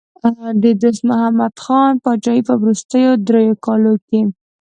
د دوست محمد خان پاچاهۍ په وروستیو دریو کالو کې.